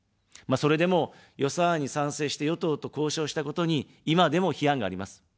それでも、予算案に賛成して、与党と交渉したことに、今でも批判があります。